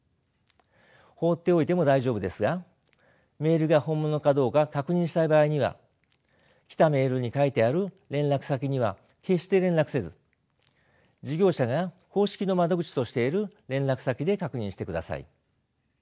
放っておいても大丈夫ですがメールが本物かどうか確認したい場合には来たメールに書いてある連絡先には決して連絡せず事業者が公式の窓口としている連絡先で確認してください。